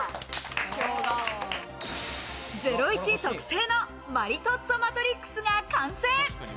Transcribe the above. ゼロイチ特製のマリトッツォ・マトリックスが完成。